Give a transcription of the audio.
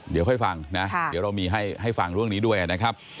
เดี๋ยวเราให้ฟังเรื่องนี้ด้วยนะครับ